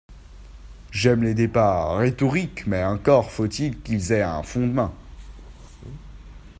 J’aime les débats rhétoriques, mais encore faut-il qu’ils aient un fondement.